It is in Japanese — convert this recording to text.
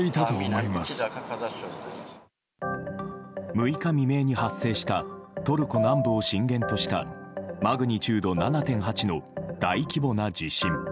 ６日未明に発生したトルコ南部を震源としたマグニチュード７．８の大規模な地震。